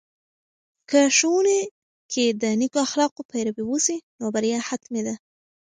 که ښوونې کې د نیکو اخلاقو پیروي وسي، نو بریا حتمي ده.